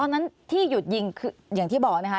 นั้นที่หยุดยิงคืออย่างที่บอกนะคะ